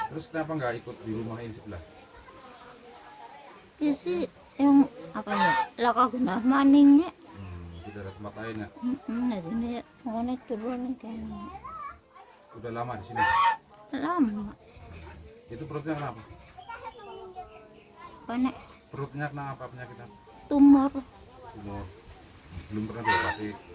di kandang berukuran lima x tiga meter orang orang tidak bisa menemukannya